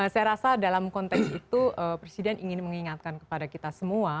saya rasa dalam konteks itu presiden ingin mengingatkan kepada kita semua